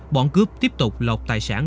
bọn cướp tiếp tục lột tài sản